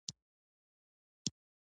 په افغانستان کې د هرات ولایت منابع شته.